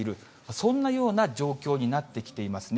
そんなような状況になってきていますね。